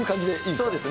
そうですね。